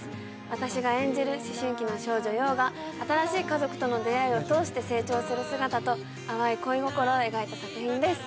私が演じる思春期の少女陽が新しい家族との出会いを通して成長する姿と淡い恋心を描いた作品です